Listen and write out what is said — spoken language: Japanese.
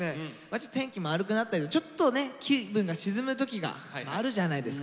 ちょっと天気も悪くなったりとちょっとね気分が沈む時があるじゃないですか。